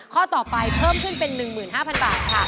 ข้อต่อไปเพิ่มขึ้นเป็น๑๕๐๐บาทค่ะ